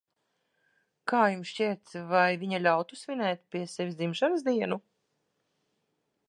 Kā jums šķiet, vai viņa ļautu svinēt pie sevis dzimšanas dienu?